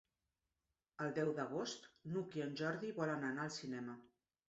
El deu d'agost n'Hug i en Jordi volen anar al cinema.